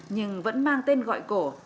nhưng vẫn mang tên gọi cổ